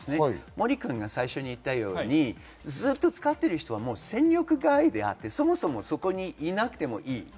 森君が最初に言ったように、ずっと使っている人は戦力外であって、そもそもそこになくてもいい。